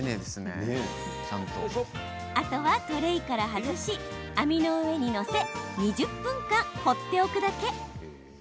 あとは、トレーから外し網の上に載せ２０分放っておくだけ。